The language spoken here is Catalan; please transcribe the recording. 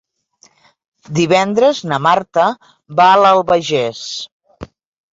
Divendres na Marta va a l'Albagés.